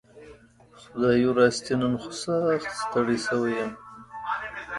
خدايي راستي نن خو سخت ستړى شوي يم